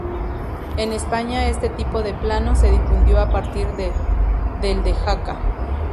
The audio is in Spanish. En España este tipo de plano se difundió a partir del de Jaca.